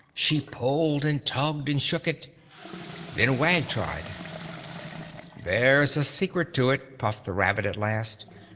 She pulled and tugged and shook it. Then Wag tried. "There's a secret to it," puffed the rabbit at last.